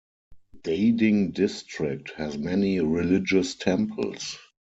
Dhading District has many religious temples.